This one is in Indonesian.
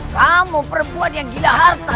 kamu perempuan yang gila harta